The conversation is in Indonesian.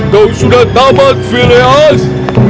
kau sudah tamat filius